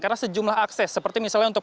karena sejumlah akses seperti misalnya untuk